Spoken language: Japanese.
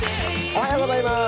おはようございます。